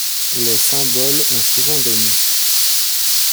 Les symboles ont souvent des noms.